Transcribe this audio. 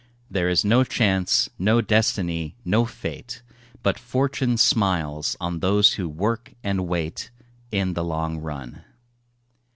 There is no Chance, no Destiny, no Fate, But Fortune smiles on those who work and wait, In the long run.